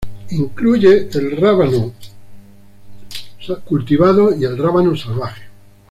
Incluye el rábano cultivado y el rábano salvaje.